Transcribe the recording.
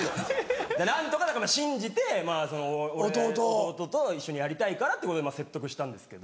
何とかだから信じて俺弟と一緒にやりたいからってことで説得したんですけど。